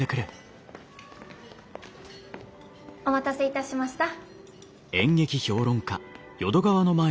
お待たせいたしました。